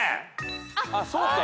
あっそうか。